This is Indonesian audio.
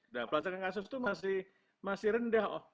dan pelacakan kasus itu masih rendah